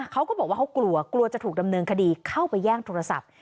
เขาก็บอกว่าเขากลัวกลัวจะถูกดำเนินคดีเข้าไปแย่งโทรศัพท์